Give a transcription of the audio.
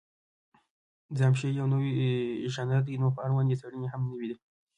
ځان پېښې یو نوی ژانر دی، نو په اړوند یې څېړنې هم نوې دي.